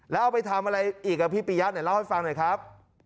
แล้วเอาไปทำอะไรอีกอ่ะพี่ปียะไหนเล่าให้ฟังหน่อยครับ